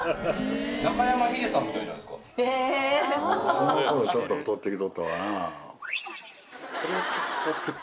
この頃ちょっと太ってきとったわなぁ。